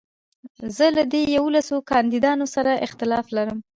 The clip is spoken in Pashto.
زه له دې يوولسو کانديدانو سره اختلاف لرم.